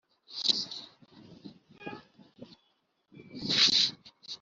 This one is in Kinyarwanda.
tuzatangira gukina ryari